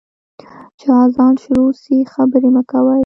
چي اذان شروع سي، خبري مه کوئ.